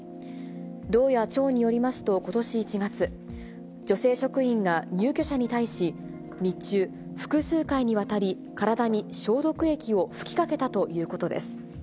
道や町によりますと、ことし１月、女性職員が入居者に対し、日中、複数回にわたり体に消毒液を吹きかけたということです。